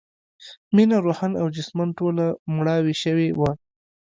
مينه روحاً او جسماً ټوله مړاوې شوې وه